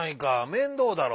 面倒だろう。